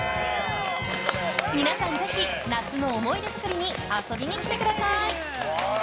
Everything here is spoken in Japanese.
皆さん、ぜひ夏の思い出作りに遊びに来てください。